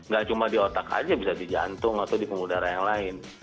gak cuma di otak aja bisa di jantung atau di pembuluh darah yang lain